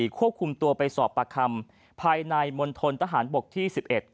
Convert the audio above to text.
ควบคุมตัวไปสอบประคำภายในมณฑนทหารบกที่๑๑